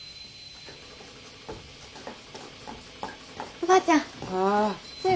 おばあちゃん。